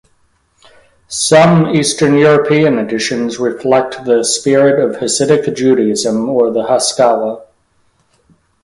Some East European editions reflect the spirit of Hasidic Judaism or the Haskalah.